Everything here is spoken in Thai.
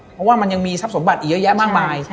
เพราะว่ามันยังมีทรัพย์สมบัติอีกเยอะแยะมากมาย